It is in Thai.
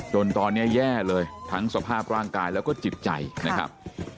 จนตอนนี้แย่เลยทั้งสภาพร่างกายแล้วก็จิตใจนะครับ